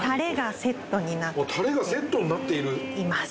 もうタレがセットになっているいます